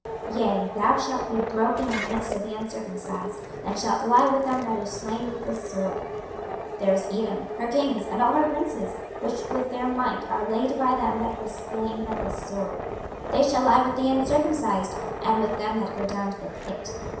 26:032:028 Yea, thou shalt be broken in the midst of the uncircumcised, and shalt lie with them that are slain with the sword. 26:032:029 There is Edom, her kings, and all her princes, which with their might are laid by them that were slain by the sword: they shall lie with the uncircumcised, and with them that go down to the pit.